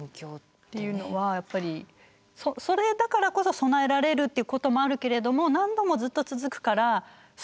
っていうのはやっぱりそれだからこそ備えられるっていうこともあるけれども何度もずっと続くからストレスになる。